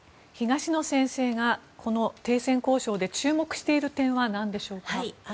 東野先生がこの停戦交渉で注目している点はなんでしょうか。